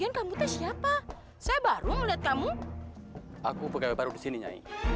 jangan lupa like share dan subscribe ya